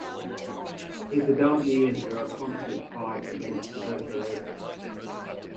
His adult years were a constant fight against tuberculosis.